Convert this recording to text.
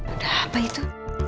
udah apa itu